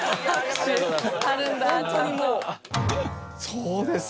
そうですか。